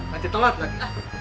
nanti telat lagi